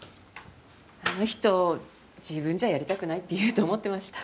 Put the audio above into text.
あの人自分じゃやりたくないって言うと思ってました。